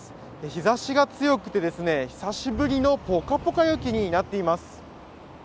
日ざしが強くて、久しぶりのポカポカ陽気になっています。